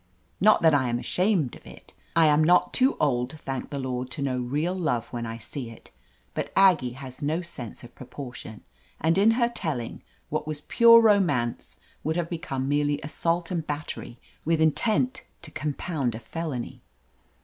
Not that I am ashamed of it — I am not too old, thank the Lord, to know real love when I see it — ^but Aggie has no sense of pro portion, and in her telling, what was pure ro mance would have become merely assault and battery, with intent to compound a felony.